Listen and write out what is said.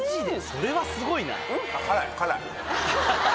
それはすごいな。